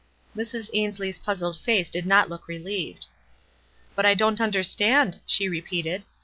Mrs. Ainslie's puzzled face did not look re lieved. "But I don't understand," she repeated.